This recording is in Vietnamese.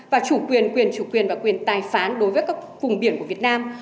và chủ quyền quyền chủ quyền và quyền tài phán đối với các vùng biển của việt nam